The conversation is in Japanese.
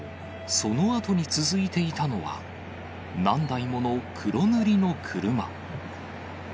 そのあとに続いていたのは、何台もの黒塗りの車。